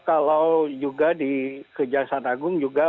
kalau juga di kejaksagung juga